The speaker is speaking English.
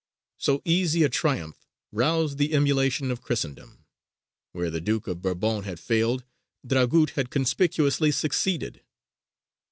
So easy a triumph roused the emulation of Christendom. Where the Duke of Bourbon had failed, Dragut had conspicuously succeeded.